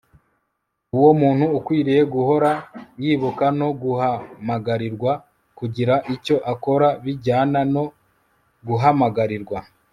uwo muntu akwiriye guhora yibuka ko guhamagarirwa kugira icyo akora bijyana no guhamagarirwa